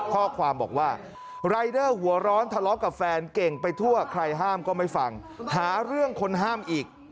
ข้อความบอกว่ารายเดอร์หัวร้อนทะเลาะกับแฟนเก่งไปทั่วใครห้ามก็ไม่ฟังหาเรื่องคนห้ามอีก